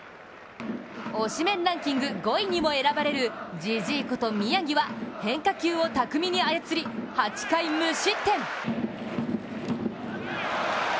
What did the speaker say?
推しメンランキング５位にも選ばれる宮城は変化球を巧みに操り、８回無失点。